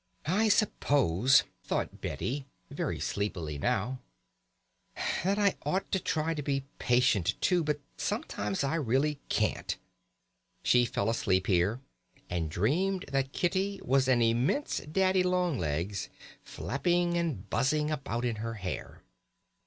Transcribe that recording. "I suppose," thought Betty, very sleepily now, "that I ought to try to be patient too, but sometimes I really can't." She fell asleep here, and dreamed that Kitty was an immense "daddy long legs" flapping and buzzing about in her hair.